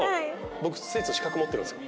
僕スイーツの資格持ってるんですよ。